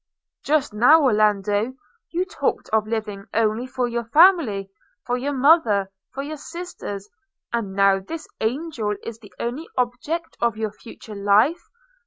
'Just now, Orlando, you talked of living only for your family – for your mother – for your sisters; and now this angel is the only object of your future life!